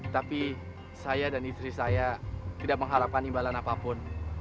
tapi saya dan istri saya tidak mengharapkan imbalan apapun